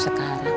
kan darat jijik